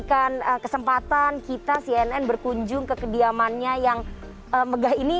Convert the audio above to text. berikan kesempatan kita cnn berkunjung ke kediamannya yang megah ini